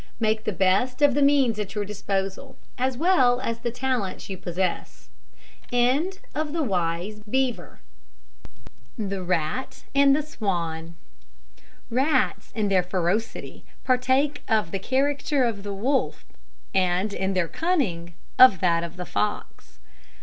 Make the best of the means at your disposal, as well as of the talents you possess. THE RAT AND THE SWAN. Rats, in their ferocity, partake of the character of the wolf, and in their cunning, of that of the fox.